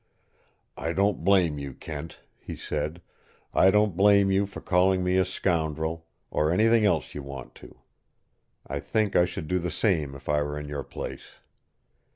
"I don't blame you, Kent," he said. "I don't blame you for calling me a scoundrel, or anything else you want to. I think I should do the same if I were in your place.